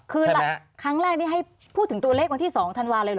คือครั้งแรกนี้ให้พูดถึงตัวเลขวันที่๒ธันวาลเลยเหรอ